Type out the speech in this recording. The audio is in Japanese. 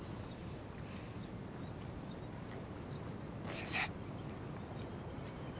先生。